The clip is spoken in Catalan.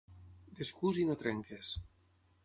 Descús i no trenquis.